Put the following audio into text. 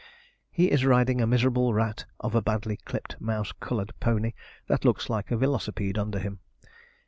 He is riding a miserable rat of a badly clipped, mouse coloured pony that looks like a velocipede under him.